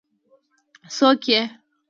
څوک يې؟